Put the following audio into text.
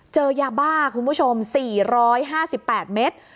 เจอยาบ้าคุณผู้ชม๔๕๘เมตร